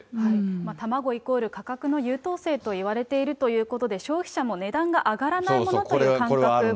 卵イコール価格の優等生といわれているということで、消費者も値段が上がらないものという感覚。